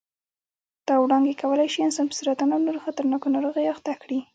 دا وړانګې کولای شي انسان په سرطان او نورو خطرناکو ناروغیو اخته کړي.